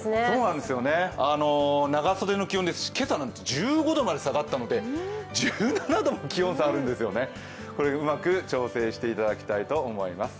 長袖の気温ですし、今朝なんて１５度まで下がったので１７度も気温差があるんですね、うまく調整していただきたいと思います。